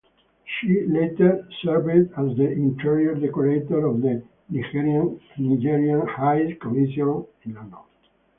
She later served as the interior decorator of the Nigerian High Commission in London.